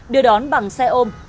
đưa đón bằng xe ôm